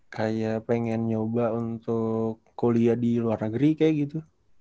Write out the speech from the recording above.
kayak pengen nyoba untuk kuliah di luar negeri kayak gitu